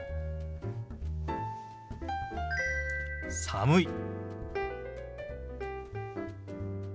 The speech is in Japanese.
「寒い」。